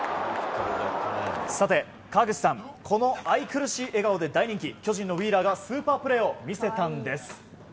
さて、川口さんこの愛くるしい笑顔で大人気巨人のウィーラーがスーパープレーを見せたんです。